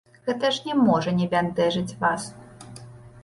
Гэта ж не можа не бянтэжыць вас?